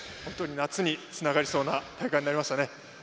夏につながりそうな大会になりましたね。